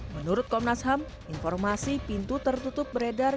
menurut komnas ham informasi pintu tertutup beredar